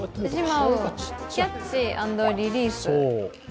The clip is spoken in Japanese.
キャッチアンドリリース。